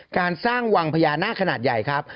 การสร้างวังพญานาคขนาดใหญ่ครับ